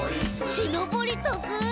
「きのぼりとくい！」